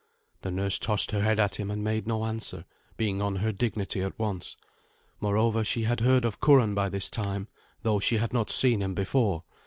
The nurse tossed her head at him and made no answer, being on her dignity at once. Moreover, she had heard of Curan by this time, though she had not seen him before.